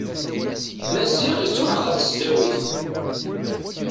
Maziɣ yettruḥ ɣer tesdawit.